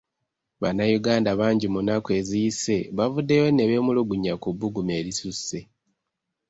Bannayuganda bangi mu nnaku eziyise bavuddeyo ne beemulugunya ku bbugumu erisusse.